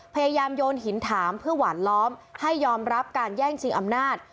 พยายามโยนหินถามเพื่อหวานล้อมให้ยอมรับการแย่งชิงอำนาจ